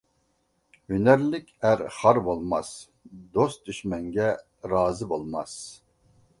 ھۈنەرلىك ئەر خار بولماس، دوست-دۈشمەنگە رازى بولماس.